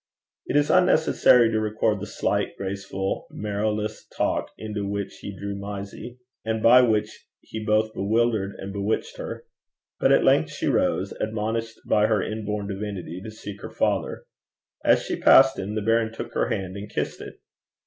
It is unnecessary to record the slight, graceful, marrowless talk into which he drew Mysie, and by which he both bewildered and bewitched her. But at length she rose, admonished by her inborn divinity, to seek her father. As she passed him, the baron took her hand and kissed it.